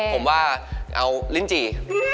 ผมว่าเอาลิ้นจี่